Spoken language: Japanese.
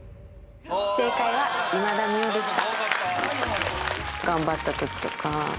正解は今田美桜でした。